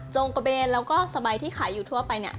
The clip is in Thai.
จงกระเบนและสะใบที่ขายทั่วไป